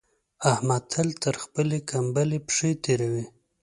احمد تل تر خپلې کمبلې پښې تېروي.